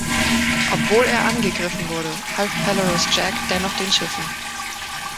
Obwohl er angegriffen wurde, half Pelorus Jack dennoch den Schiffen.